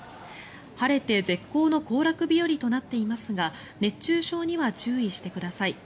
晴れて絶好の行楽日和となっていますが熱中症には注意してください。